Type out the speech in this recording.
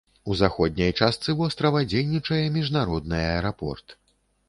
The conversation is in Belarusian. У заходняй частцы вострава дзейнічае міжнародны аэрапорт.